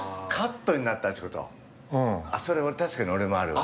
それ確かに俺もあるわ。